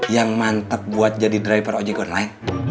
yang mantap buat jadi driver ojek online